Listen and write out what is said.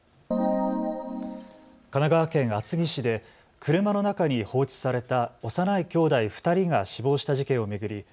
神奈川県厚木市で車の中に放置された幼いきょうだい２人が死亡した事件を巡り